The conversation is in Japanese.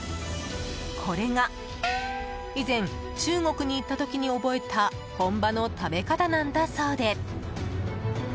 これが以前中国に行った時に覚えた本場の食べ方なんだそうで。